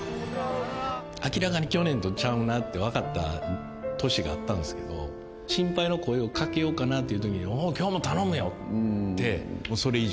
明らかに去年とちゃうなって分かった年があったんですけど、心配の声をかけようかなというときに、おー、きょうも頼むよって。